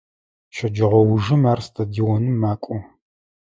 Щэджэгъоужым ар стадионым макӏо.